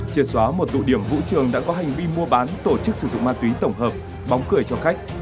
triệt xóa một tụ điểm vũ trường đã có hành vi mua bán tổ chức sử dụng ma túy tổng hợp bóng cười cho khách